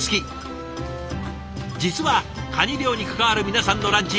実はカニ漁に関わる皆さんのランチ